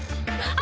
あ。